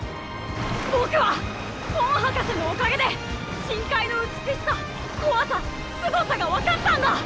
僕はコン博士のおかげで深海の美しさ怖さすごさが分かったんだ！